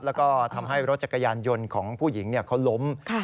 แล้วก็ทำให้รถจักรยานยนต์ของผู้หญิงเขาล้ม